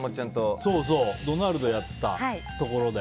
ドナルドやってたところ。